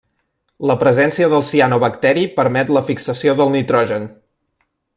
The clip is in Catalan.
La presència del cianobacteri permet la fixació del nitrogen.